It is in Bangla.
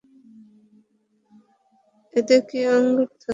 এতে কি আঙ্গুর থাকে?